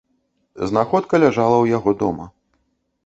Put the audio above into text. Знаходка ляжала ў яго дома.